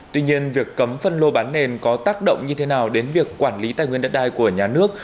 tuy nhiên việc cấm phân lô bán nền có tác động như thế nào đến việc quản lý tài nguyên đất đai của nhà nước